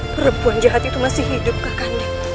perempuan jahat itu masih hidup kak kanda